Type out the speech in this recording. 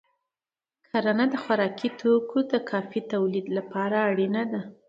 کرنه د خوراکي توکو د کافی تولید لپاره اړینه ده.